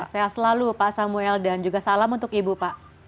sehat selalu pak samuel dan juga salam untuk ibu pak